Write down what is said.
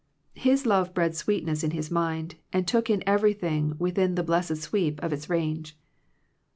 His love bred sweetness in his mind, and took in every thing within the blessed sweep of its range.